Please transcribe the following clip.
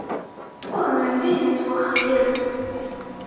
Ur nelli nettwaxeyyeb.